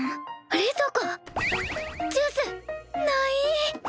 ない！